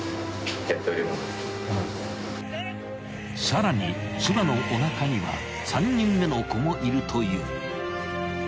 ［さらに妻のおなかには３人目の子もいるという］